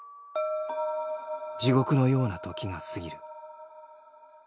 地獄のような時が過ぎる。